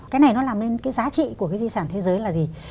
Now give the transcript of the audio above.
cái này nó làm nên cái giá trị của cái di sản thế giới là gì